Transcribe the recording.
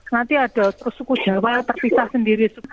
nanti ada suku jawa terpisah sendiri